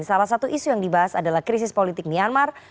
salah satu isu yang dibahas adalah krisis politik myanmar